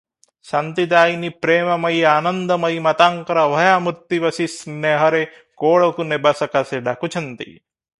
ଶାନ୍ତିଦାୟିନୀ ପ୍ରେମମୟୀ ଆନନ୍ଦମୟୀ ମାତାଙ୍କର ଅଭୟା ମୂର୍ତ୍ତି ବସି ସ୍ନେହରେ କୋଳକୁ ନେବା ସକାଶେ ଡାକୁଛନ୍ତି।